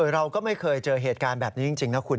เราก็ไม่เคยเจอเหตุการณ์แบบนี้จริงนะคุณ